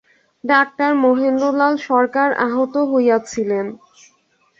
Doctor Mahendralal Sarkar আহূত হইয়াছিলেন।